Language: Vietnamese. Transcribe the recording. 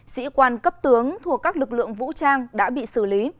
sĩ quan cấp tướng thuộc các lực lượng vũ trang đã bị xử lý